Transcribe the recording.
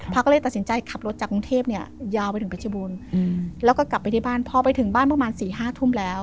ก็เลยตัดสินใจขับรถจากกรุงเทพเนี่ยยาวไปถึงเพชรบูรณ์แล้วก็กลับไปที่บ้านพอไปถึงบ้านประมาณ๔๕ทุ่มแล้ว